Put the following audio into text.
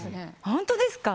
本当ですか？